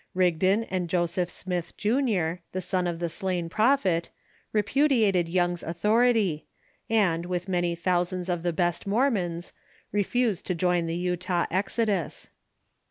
Rigdon and Joseph Smith, Jr., the son of the slain prophet, repudiated Young's authority, and, with many thousands of the best Mormons, refused to join the Utah exodus.